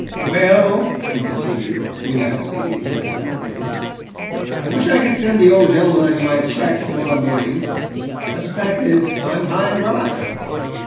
"Well," he continued, relapsing into hyperbole, "I wish I could send the old gentleman my cheque to morrow morning: but the fact is I'm high and dry."